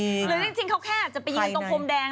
หรือจริงเขาแค่อาจจะไปยืนตรงพรมแดง